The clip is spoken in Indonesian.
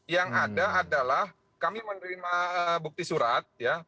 yang ada adalah kami menerima bukti surat